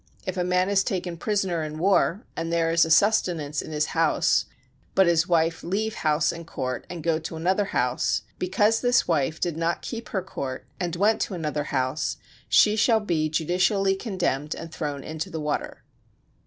If a man is taken prisoner in war, and there is a sustenance in his house, but his wife leave house and court, and go to another house: because this wife did not keep her court, and went to another house, she shall be judicially condemned and thrown into the water.